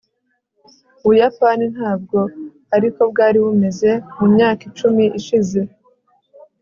ubuyapani ntabwo ariko bwari bumeze mu myaka icumi ishize